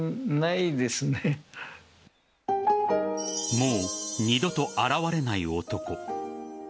もう二度と現れない男。